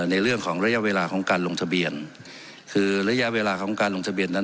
ในเรื่องของระยะเวลาของการลงทะเบียนคือระยะเวลาของการลงทะเบียนนั้น